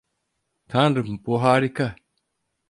Tanrım, bu harika.